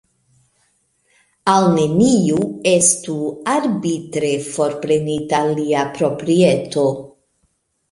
Al neniu estu arbitre forprenita lia proprieto.